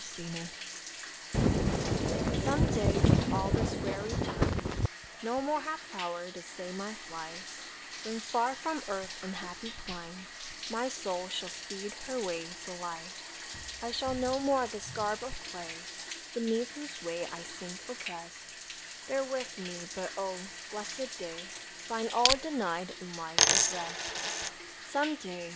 SOME DAY Some day when all this weary time No more hath power to stay my flight; When far from earth's unhappy clime My soul shall speed her way to light, I shall no more this garb of clay (Beneath whose weight I sink opprest) Bear with me; but, oh blesséd day, Find all denied in life of rest! Some day!